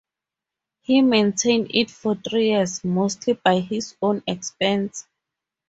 He maintained it for three years, mostly by his own expense.